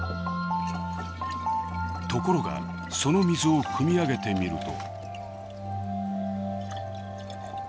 ところがその水をくみ上げてみると。